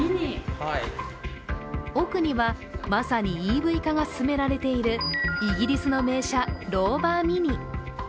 奥にはまさにＥＶ化が進められているイギリスの名車、ローバー・ミニ。